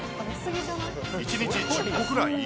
１日１０個ぐらい？